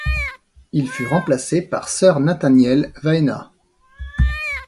Il fut remplacé par Sir Nathaniel Waena.